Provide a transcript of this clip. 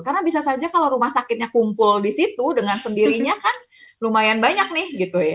karena bisa saja kalau rumah sakitnya kumpul di situ dengan sendirinya kan lumayan banyak nih